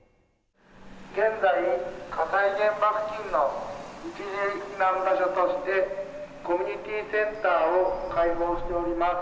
現在、火災現場付近の一時避難場所としてコミュニティーセンターを開放しております。